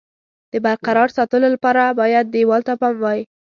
د برقرار ساتلو لپاره باید دېوال ته پام وای.